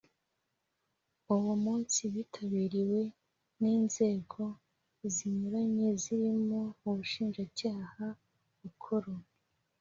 Uwo munsi witabiriwe n Inzego zinyuranye zirimo Ubushinjacyaha Bukuru